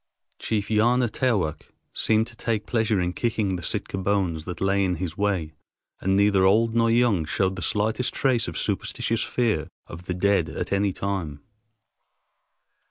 Chief Yana Taowk seemed to take pleasure in kicking the Sitka bones that lay in his way, and neither old nor young showed the slightest trace of superstitious fear of the dead at any time.